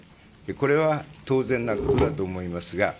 これは当然なことだと思いますが。